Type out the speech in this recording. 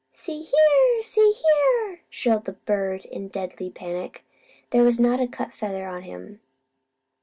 "See here! See here!" shrilled the bird in deadly panic. There was not a cut feather on him.